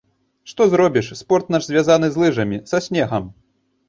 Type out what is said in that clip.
Што зробіш, спорт наш звязаны з лыжамі, са снегам.